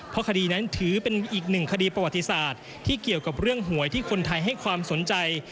เพราะคดีนั้นถือเป็นอีกหนึ่งคดีประวัติศาสตร์ที่เกี่ยวกับเรื่องหวยที่คนไทยให้ความสนใจ